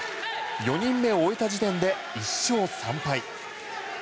４人目を終えた時点で１勝３敗。